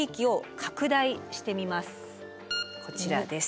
こちらです。